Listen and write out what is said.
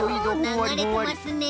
ながれてますね。